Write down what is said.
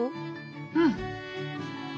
うん。